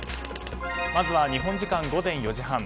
まずは日本時間午前４時半。